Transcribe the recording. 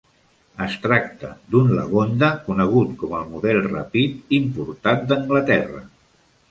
Es tracta d"un Lagonda, conegut com el model "Rapide", importat d"Anglaterra.